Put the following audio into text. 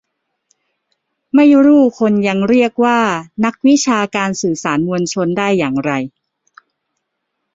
ไม่รู่คนยังเรียกว่า "นักวิชาการสื่อสารมวลชน" ได้อย่างไร